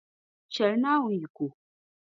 Chɛli Naawuni yiko.